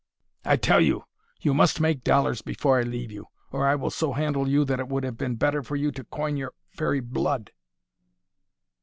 "I tell you you must make dollars before I leave you, or I will so handle you that it would have been better for you to coin your very blood."